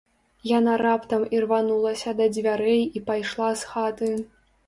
Яна раптам ірванулася да дзвярэй і пайшла з хаты.